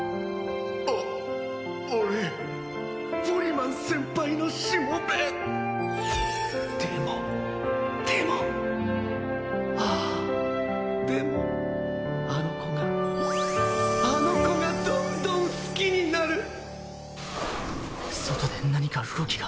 お俺ポリマン先輩のしもべでもでもああでもあの子があの子がどんどん好きになる外で何か動きが？